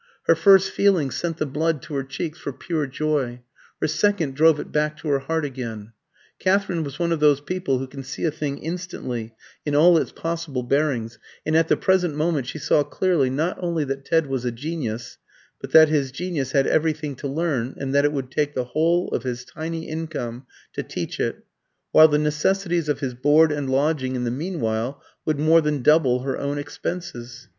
Her first feeling sent the blood to her cheeks for pure joy; her second drove it back to her heart again. Katherine was one of those people who can see a thing instantly, in all its possible bearings; and at the present moment she saw clearly, not only that Ted was a genius, but that his genius had everything to learn, and that it would take the whole of his tiny income to teach it, while the necessities of his board and lodging in the meanwhile would more than double her own expenses.